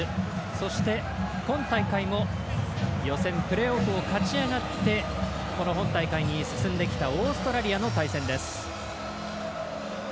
そして、今大会も予選プレーオフを勝ち上がってこの本大会に進んできたオーストラリアの対戦です。